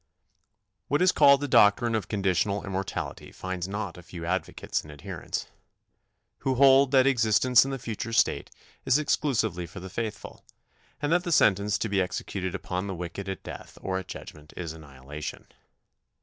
What is called the doctrine of Conditional Immortality finds not a few advocates and adherents, who hold that existence in the future state is exclusively for the faithful, and that the sentence to be executed upon the wicked at death or at judgment is annihilation.